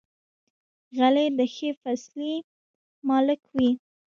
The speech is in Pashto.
غلی، د ښې فیصلې مالک وي.